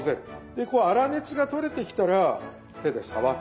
でこう粗熱が取れてきたら手で触って確かめる。